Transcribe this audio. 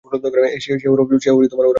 সে ওরা বুঝবে।